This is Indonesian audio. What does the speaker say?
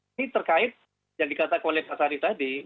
ini terkait yang dikata kolej hasari tadi